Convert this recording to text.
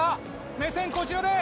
目線こちらで！